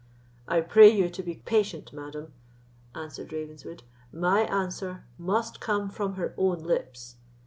"I pray you to be patient, madam," answered Ravenswood; "my answer must come from her own lips.